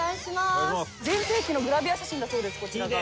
全盛期のグラビア写真だそうですこちらが。